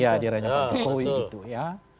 ya di daerahnya pak jokowi itu ya